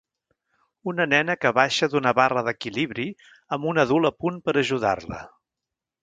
Una nena que baixa d'una barra d'equilibri amb un adult a punt per ajudar-la